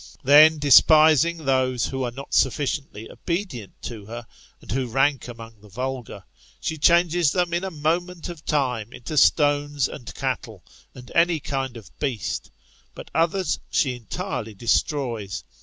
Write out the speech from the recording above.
Then despising those who are not sufficiently obedient to her, and who rank among the vulgar, she changes them in a moment of timf into stores and cattle, and any kind ot beast; but others she entirely destroys.